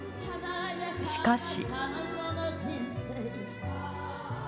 しかし。